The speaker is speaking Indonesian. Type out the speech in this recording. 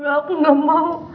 aku gak mau